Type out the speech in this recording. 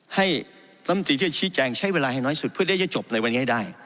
ให้นำตรีเชื่อชี้แจงใช้เวลาให้น้อยสุดเพื่อได้จะจบในวันนี้ได้